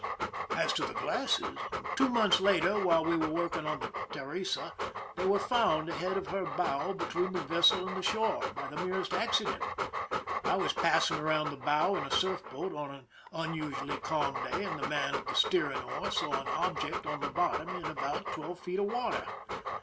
As to the glasses: two months later, while we were working on the Teresa^ they were found ahead of her bow between the vessel and the shore, by the merest accident. I was passing around the bow in a surf boat on an unusually calm day, and the man at the steering oar saw an object on the bottom in about twelve feet of water.